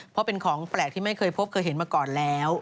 เพราะเป็นของแปลกที่ไม่เคยพบเคยเห็นมาก่อนแล้ว